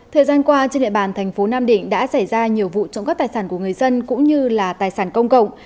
thời gian qua trên địa bàn thành phố nam định đã xảy ra nhiều vụ trộm cắp tài sản của người dân cũng như là tài sản công cộng